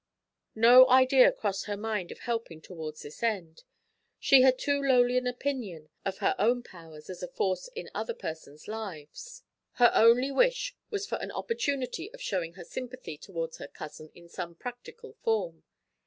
No idea crossed her mind of helping towards this end; she had too lowly an opinion of her own powers as a force in other persons' lives; her only wish was for an opportunity of showing her sympathy towards her cousin in some practical form.